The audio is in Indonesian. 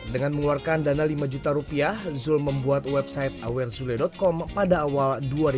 dengan mengeluarkan dana rp lima juta zule membuat website awerzule com pada awal dua ribu empat belas